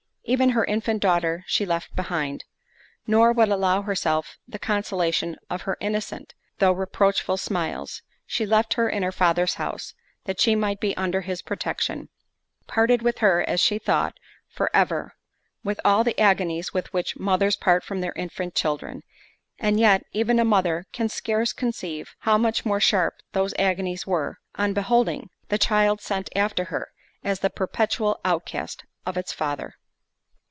Even her infant daughter she left behind, nor would allow herself the consolation of her innocent, though reproachful smiles—she left her in her father's house, that she might be under his protection; parted with her, as she thought, for ever, with all the agonies with which mothers part from their infant children: and yet, even a mother can scarce conceive how much more sharp those agonies were, on beholding—the child sent after her, as the perpetual outcast of its father.